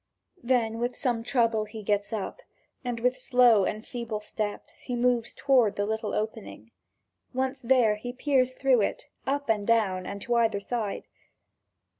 Then with some trouble he gets up, and with slow and feeble steps he moves toward the little opening. Once there, he peers through it, up and down and to either side.